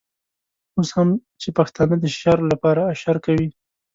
اوس هم چې پښتانه د شر لپاره اشر کوي.